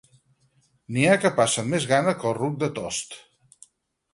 N'hi ha que passen més gana que el ruc de Tost.